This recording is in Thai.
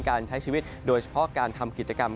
การใช้ชีวิตโดยเฉพาะการทำกิจกรรม